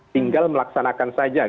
tinggal melaksanakan saja